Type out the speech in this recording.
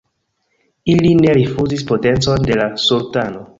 Ili ne rifuzis potencon de la sultano.